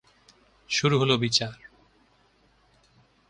শুরু হল বিচার।